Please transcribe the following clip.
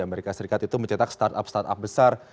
amerika serikat itu mencetak startup startup besar